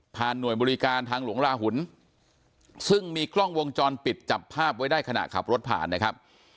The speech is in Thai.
หน่วยบริการทางหลวงลาหุ่นซึ่งมีกล้องวงจรปิดจับภาพไว้ได้ขณะขับรถผ่านนะครับ